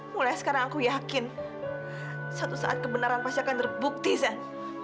mulai sekarang aku yakin suatu saat kebenaran pasti akan terbukti zen